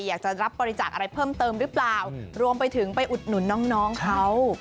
อยากจะรับบริจาคอะไรเพิ่มเติมหรือเปล่ารวมไปถึงไปอุดหนุนน้องเขา